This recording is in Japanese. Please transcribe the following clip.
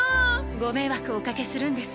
ご迷惑をおかけするんです。